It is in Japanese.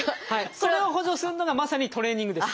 それを補助するのがまさにトレーニングです。